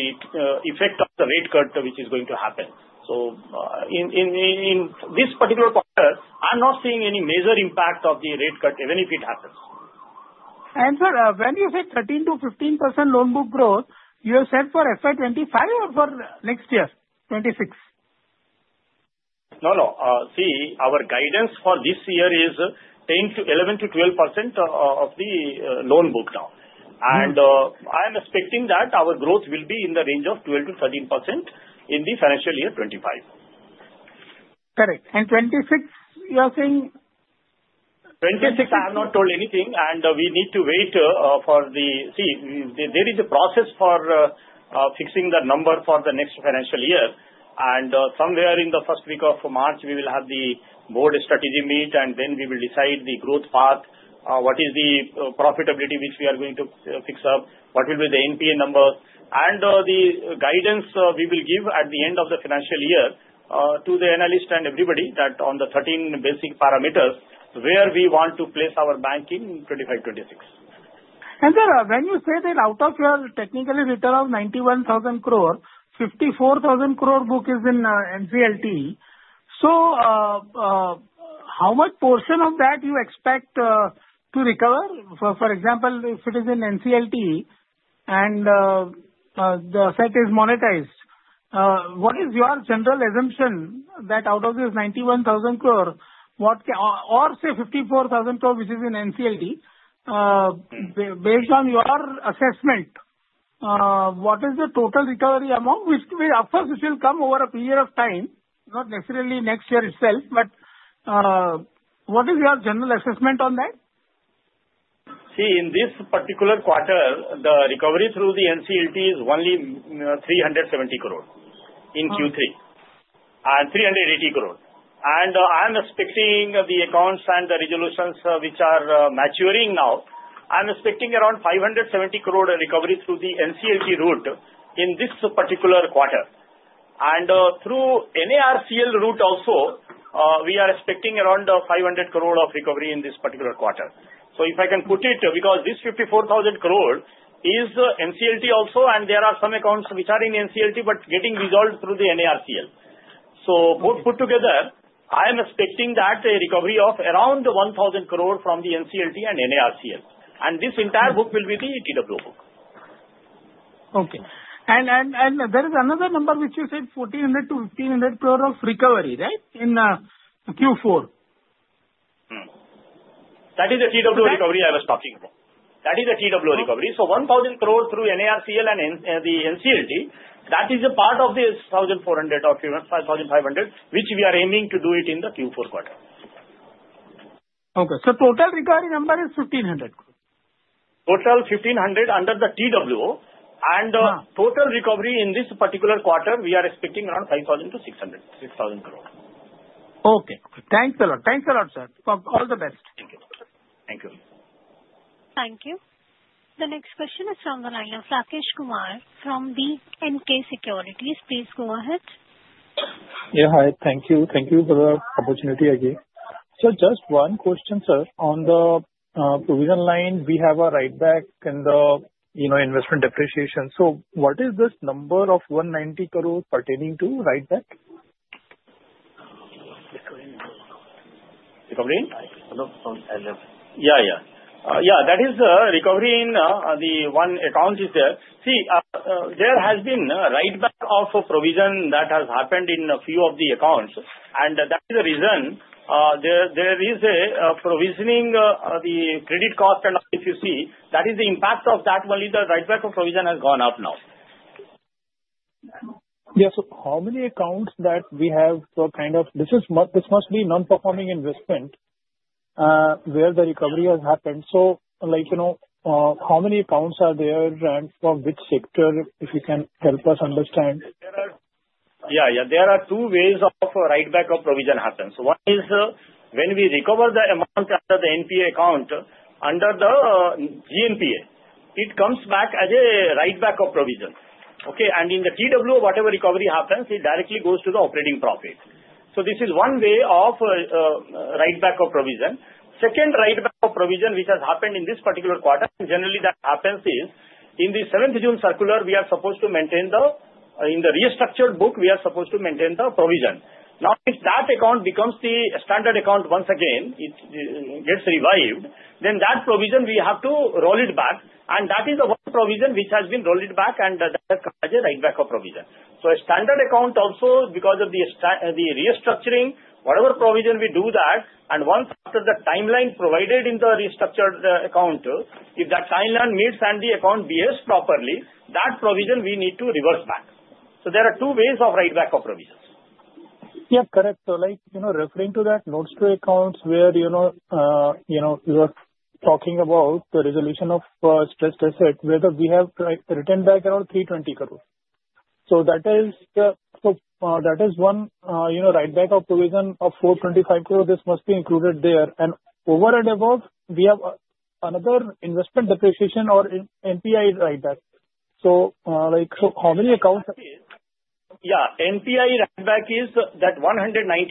effect of the rate cut which is going to happen. So in this particular quarter, I'm not seeing any major impact of the rate cut even if it happens. Sir, when you say 13%-15% loan book growth, you have said for FY25 or for next year, 26? No, no. See, our guidance for this year is 10% to 11% to 12% of the loan book now. I'm expecting that our growth will be in the range of 12%-13% in the financial year 25. Correct. And 26, you are saying? 26, I have not told anything. We need to wait for the. See, there is a process for fixing the number for the next financial year. Somewhere in the first week of March, we will have the board strategy meet and then we will decide the growth path, what is the profitability which we are going to fix up, what will be the NPA number. The guidance we will give at the end of the financial year to the analyst and everybody that on the 13 basic parameters where we want to place our bank in 2025, 2026. Sir, when you say that out of your technical write-off of 91,000 crore, 54,000 crore book is in NCLT. So, how much portion of that you expect to recover? For example, if it is in NCLT and the asset is monetized, what is your general assumption that out of this 91,000 crore, what can or say 54,000 crore which is in NCLT, based on your assessment, what is the total recovery amount which will, of course, which will come over a period of time, not necessarily next year itself, but what is your general assessment on that? See, in this particular quarter, the recovery through the NCLT is only 370 crore in Q3 and 380 crore. And I'm expecting the accounts and the resolutions which are maturing now. I'm expecting around 570 crore recovery through the NCLT route in this particular quarter. And through NARCL route also, we are expecting around 500 crore of recovery in this particular quarter. So if I can put it, because this 54,000 crore is NCLT also and there are some accounts which are in NCLT but getting resolved through the NARCL. So both put together, I'm expecting that a recovery of around 1,000 crore from the NCLT and NARCL. And this entire book will be the TWO book. Okay. And there is another number which you said 1,400-1,500 crore of recovery, right, in Q4? That is the TWO recovery I was talking about. That is the TWO recovery. So 1,000 crore through NARCL and the NCLT, that is a part of the 1,400 or 1,500 which we are aiming to do it in the Q4 quarter. Okay. So total recovery number is 1,500 crore? Total 1,500 under the TWO. And total recovery in this particular quarter, we are expecting around 5,000 to 6,000 crore. Okay. Thanks a lot. Thanks a lot, sir. All the best. Thank you. Thank you. Thank you. The next question is from the line of Rakesh Kumar from B&K Securities. Please go ahead. Yeah, hi. Thank you. Thank you for the opportunity again. Sir, just one question, sir. On the provision line, we have a write-back and the, you know, investment depreciation. So what is this number of 190 crore pertaining to write-back? Recovery in? Hello? Yeah, yeah. Yeah, that is the recovery in the one accounts is there. See, there has been a write-back of provision that has happened in a few of the accounts. And that is the reason there is a provisioning, the credit cost and all. If you see, that is the impact of that. Only the write-back of provision has gone up now. Yeah. So how many accounts that we have for kind of this is must, this must be non-performing asset, where the recovery has happened. So, like, you know, how many accounts are there and from which sector, if you can help us understand? There are, yeah, yeah, there are two ways of write-back of provision happens. One is, when we recover the amount under the NPA account under the GNPA, it comes back as a write-back of provision. Okay? In the TWO, whatever recovery happens, it directly goes to the operating profit. So this is one way of write-back of provision. Second write-back of provision which has happened in this particular quarter, generally that happens is in the 7th June Circular, we are supposed to maintain the, in the restructured book, we are supposed to maintain the provision. Now, if that account becomes the standard account once again, it gets revived, then that provision we have to roll it back. And that is the one provision which has been rolled back and that has come as a write-back of provision. So a standard account also, because of the, the restructuring, whatever provision we do that, and once after the timeline provided in the restructured account, if that timeline meets and the account behaves properly, that provision we need to reverse back. So there are two ways of write back of provisions. Yeah, correct. So, like, you know, referring to those stressed accounts where, you know, you were talking about the resolution of stressed asset, whether we have written back around 320 crore. So that is one, you know, write back of provision of 425 crore. This must be included there. And over and above, we have another investment depreciation or NPA write back. So, like, so how many accounts? Yeah. NPA write back is that 190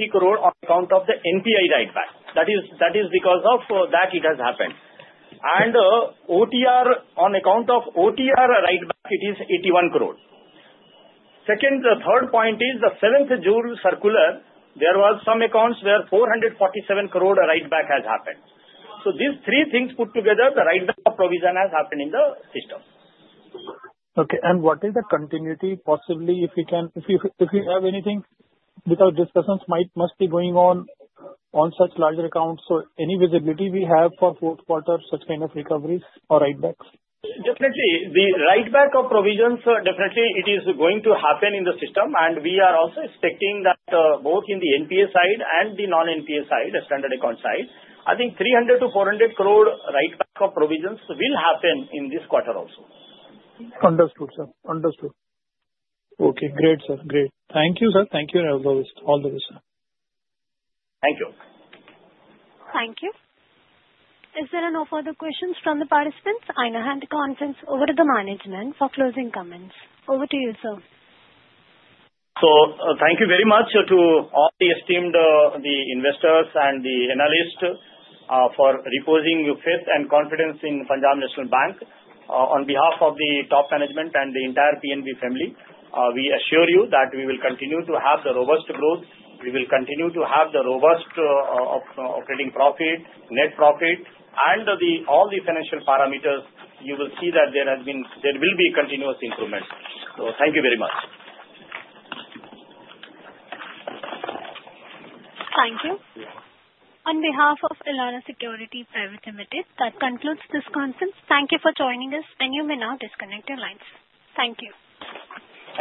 crore on account of the NPA write back. That is because of that it has happened. And, OTR on account of OTR write back, it is 81 crore. Second, the third point is the 7th June Circular, there were some accounts where 447 crore write back has happened. So these three things put together, the write-back of provisions has happened in the system. Okay. And what is the continuity possibly, if we can, if you, if you have anything because discussions might, must be going on, on such larger accounts. So any visibility we have for fourth quarter, such kind of recoveries or write-backs? Definitely. The write-back of provisions, definitely, it is going to happen in the system. And we are also expecting that, both in the NPA side and the non-NPA side, the standard account side, I think 300-400 crore write-back of provisions will happen in this quarter also. Understood, sir. Understood. Okay. Great, sir. Great. Thank you, sir. Thank you as always. All the best, sir. Thank you. Thank you. Is there no further questions from the participants? I now hand the conference over to the management for closing comments. Over to you, sir. So, thank you very much to all the esteemed, the investors and the analysts, for reposing faith and confidence in Punjab National Bank. On behalf of the top management and the entire PNB family, we assure you that we will continue to have the robust growth. We will continue to have the robust, operating profit, net profit, and the, all the financial parameters. You will see that there has been, there will be continuous improvement. So thank you very much. Thank you. On behalf of Elara Securities Private Limited, that concludes this conference. Thank you for joining us, and you may now disconnect your lines. Thank you.